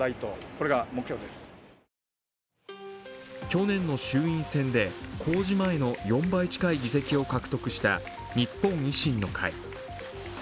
去年の衆院選で公示前の４倍近い議席を獲得した日本維新の会。